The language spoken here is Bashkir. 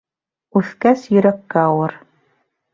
Үҫкәс, йөрәккә ауыр.